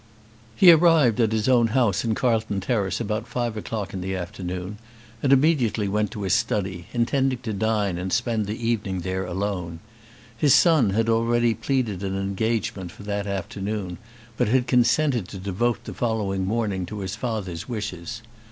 He arrived at his own house in Carlton Terrace about five o'clock in the afternoon, and immediately went to his study, intending to dine and spend the evening there alone. His son had already pleaded an engagement for that afternoon, but had consented to devote the following morning to his father's wishes.